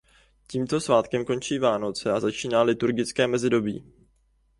Tímto svátkem končí Vánoce a začíná liturgické mezidobí.